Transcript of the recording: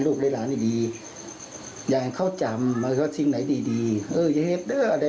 รักตีที่ขานี่แหละค่ะนี่น่ะ